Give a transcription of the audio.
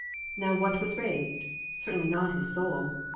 Now what was raised? Certainly not His soul.